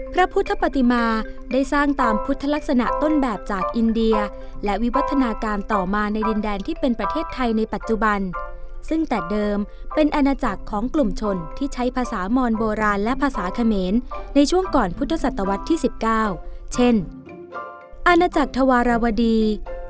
พระพุทธปฏิมาได้สร้างตามพุทธลักษณะต้นแบบจากอินเดียและวิวัฒนาการต่อมาในดินแดนที่เป็นประเทศไทยในปัจจุบันซึ่งแต่เดิมเป็นอาณาจักรของกลุ่มชนที่ใช้ภาษามอนโบราณและภาษาเขมรในช่วงก่อนพุทธศตวรรษที่๑๙เช่นอาณาจักรธวารวดี